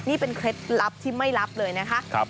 นี่เป็นเคล็ดลับที่ไม่รับเลยนะคะ